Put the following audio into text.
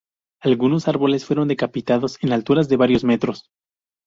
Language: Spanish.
Algunos árboles fueron decapitados en alturas de varios metros.